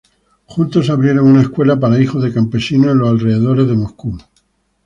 Juntos abrieron una escuela para hijos de campesinos en los alrededores de Moscú.